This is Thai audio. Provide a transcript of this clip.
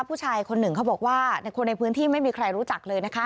ผู้ชายคนหนึ่งเขาบอกว่าในคนในพื้นที่ไม่มีใครรู้จักเลยนะคะ